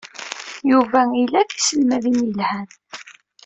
Yuba ila tiselmadin yelhan.